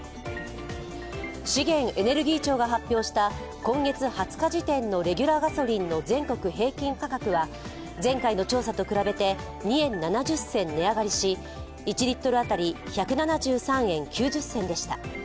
資源エネルギー庁が発表した今月２０日時点のレギュラーガソリンの全国平均価格は前回の調査と比べて２円７０銭値上がりし１リットル当たり１７３円９０銭でした。